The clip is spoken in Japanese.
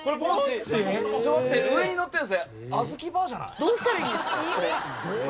どうしたらいいんですか？